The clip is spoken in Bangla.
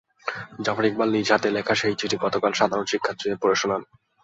জাফর ইকবাল নিজ হাতে লেখা সেই চিঠি গতকাল সাধারণ শিক্ষার্থীদের পড়ে শোনান।